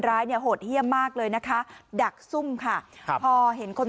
ร้ายเนี่ยโหดเยี่ยมมากเลยนะคะดักซุ่มค่ะครับพอเห็นคน